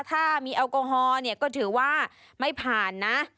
ถ้ามีแอลกอฮอล์เนี่ยก็ถือว่าไม่ผ่านนะ